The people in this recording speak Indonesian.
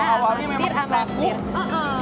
awalnya memang takut